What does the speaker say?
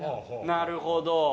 なるほど。